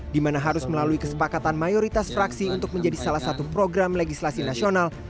di mana harus melalui kesepakatan mayoritas fraksi untuk menjadi salah satu program legislasi nasional